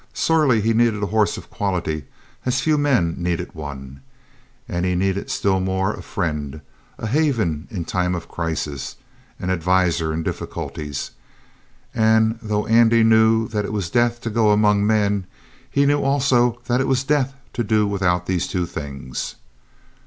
Sorely he needed a horse of quality as few men needed one. And he needed still more a friend, a haven in time of crisis, an adviser in difficulties. And though Andy knew that it was death to go among men, he knew also that it was death to do without these two things.